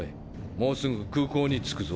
もうすぐ空港に着くぞ。